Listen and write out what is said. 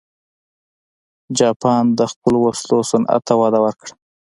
جاپان د خپلو وسلو صنعت ته وده ورکړه.